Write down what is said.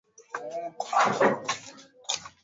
Yeye ni mfupi sana